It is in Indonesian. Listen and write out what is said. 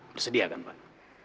bersedia kan pak